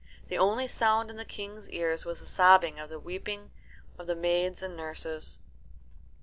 The only sound in the King's ears was the sobbing and weeping of the maids and nurses.